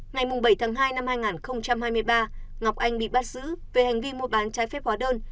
ngày bảy tháng hai năm hai nghìn hai mươi ba ngọc anh bị bắt giữ về hành vi mua bán trái phép hóa đơn